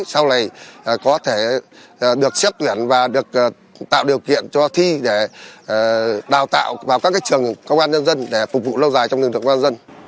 sau này có thể được xếp tuyển và được tạo điều kiện cho thi để đào tạo vào các trường công an nhân dân để phục vụ lâu dài trong lực lượng công an dân